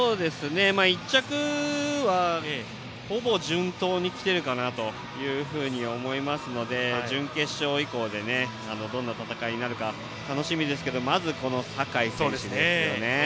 １着は、ほぼ順当に来ているかなと思いますので準決勝以降でどんな戦いになるか楽しみですがまずこの坂井選手ですよね。